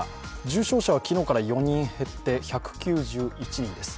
重症者は昨日から４人減って１９１人です。